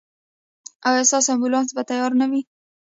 ایا ستاسو امبولانس به تیار نه وي؟